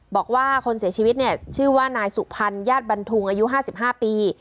บอกว่าคนเสียชีวิตเนี่ยชื่อว่านายสุพรรณญาติบันทุงอายุ๕๕ปี